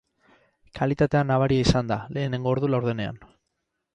Kalitatea nabaria izan da lehenengo ordu laurdenean.